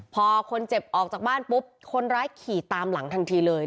พอคนเจ็บออกจากบ้านปุ๊บคนร้ายขี่ตามหลังทันทีเลย